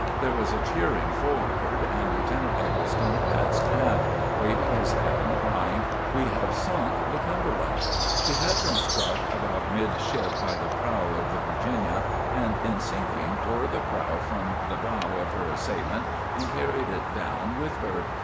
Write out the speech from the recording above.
There was a cheering forward and Lieutenant Eggleston passed aft, waving his hat and crying: "We have sunk the 'Cumberland.'" She had been struck about amidship by the prow of the "Virginia," and in sinking tore the prow from the bow of her assailant and carried it down with her.